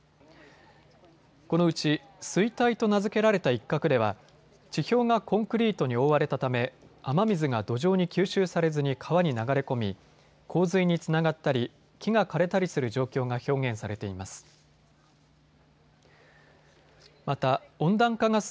このうち衰退と名付けられた一角では地表がコンクリートに覆われたため雨水が土壌に吸収されずに川に流れ込み、洪水につながったり、木が枯れたりする状況が表現されています。